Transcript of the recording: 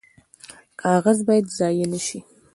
کاغذ باید ضایع نشي